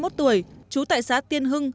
bốn mươi một tuổi chú tại xã tiên hưng